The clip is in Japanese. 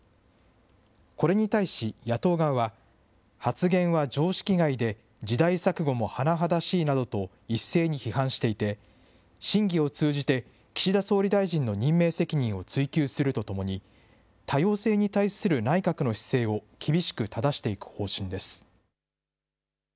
これに対し野党側は、発言は常識外で、時代錯誤も甚だしいなどと一斉に批判していて、審議を通じて、岸田総理大臣の任命責任を追及するとともに、多様性に対する内閣の姿勢を厳しくただしていく方針です。